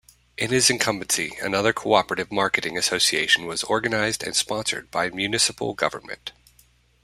In his incumbency another cooperative marketing association was organized and sponsored by municipal government.